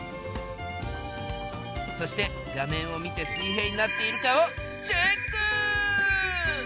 そして画面を見て水平になっているかをチェック！